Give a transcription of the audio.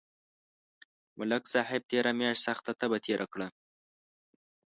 ملک صاحب تېره میاشت سخته تبه تېره کړه